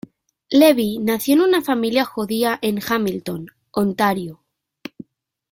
Levy nació en una familia judía en Hamilton, Ontario.